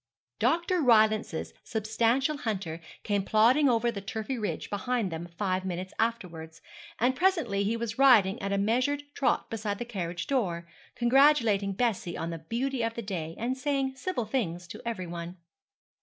Dr. Rylance's substantial hunter came plodding over the turfy ridge behind them five minutes afterwards, and presently he was riding at a measured trot beside the carriage door, congratulating Bessie on the beauty of the day, and saying civil things to every one.